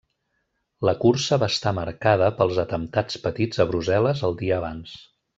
La cursa va estar marcada pels atemptats patits a Brussel·les el dia abans.